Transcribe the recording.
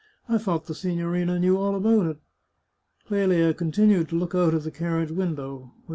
I thought the signorina knew all about it." Clelia continued to look out of the carriage window.